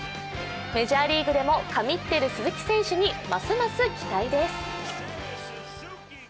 メジャーリーグでも神ってる鈴木選手にますます期待です。